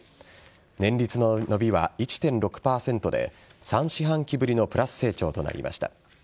年率の伸びは１．６％で３四半期ぶりのプラス成長となりました。